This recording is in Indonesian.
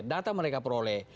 data mereka peroleh